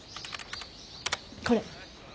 これ。